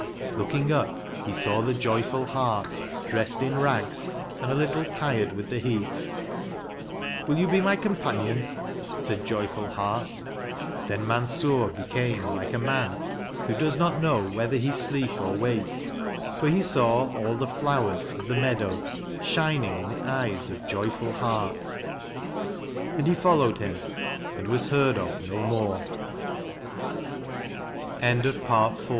" Looking up, he saw the Joyful Heart, dressed in rags, and a little tired with the heat. " Will you be my companion?" said Joyful Heart. Then Mansur became like a man MANSUR 55 who does not know whether he sleep or wake, for he saw all the flowers of the meadow shining in the eyes of Joyful Heart, and he followed him, an